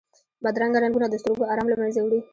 بدرنګه رنګونه د سترګو آرام له منځه وړي